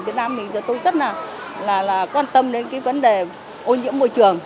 việt nam mình giờ tôi rất là quan tâm đến cái vấn đề ô nhiễm môi trường